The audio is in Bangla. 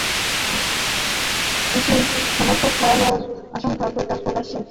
মুসলিম সমর্থন হারানোর আশঙ্কায় প্রকাশ্যে বিজেপিকে আলিঙ্গন করাও তাঁর পক্ষে সম্ভব নয়।